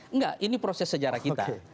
enggak ini proses sejarah kita